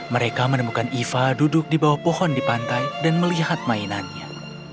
mereka menemukan iva duduk di bawah pohon di pantai dan melihat mainannya